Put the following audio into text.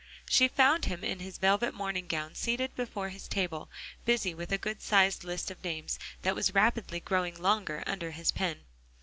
She found him in his velvet morning gown seated before his table, busy with a good sized list of names that was rapidly growing longer under his pen.